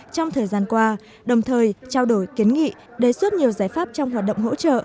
trong thời gian qua đồng thời trao đổi kiến nghị đề xuất nhiều giải pháp trong hoạt động hỗ trợ